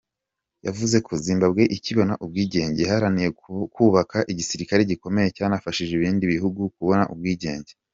Yavuze ko Zimbabwe ikibona ubwigenge, yaharaniye kubaka igisirikare gikomeye cyanafashije ibindi bihugu kubona ubwigenge.